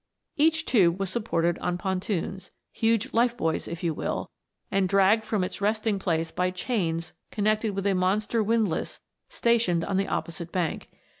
Each tube was supported on pontoons hu^e life buoys if you will and dragged from its resting place by chains connected with a monster windlass sta tioned on the opposite bank.